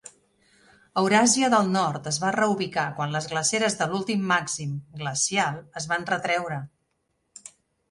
Euràsia del nord es va reubicar quan les glaceres de l'últim màxim glacial es van retreure.